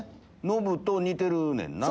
ノブと似てるねんな。